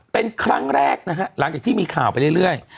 เป็นครั้งแรกนะฮะหลังจากที่มีข่าวไปเรื่อย